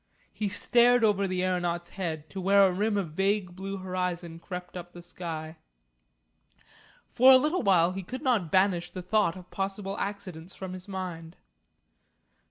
He stared over the aeronaut's head to where a rim of vague blue horizon crept up the sky. For a little while he could not banish the thought of possible accidents from his mind.